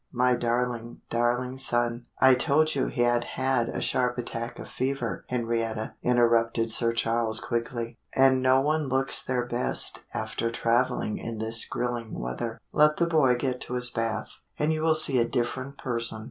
My darling, darling son " "I told you he had had a sharp attack of fever, Henrietta," interrupted Sir Charles quickly, "and no one looks their best after travelling in this grilling weather. Let the boy get to his bath, and you will see a different person."